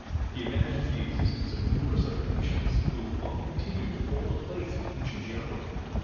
He imagines the existence of numerous other nations, who long continued to hold a place in an cient geography.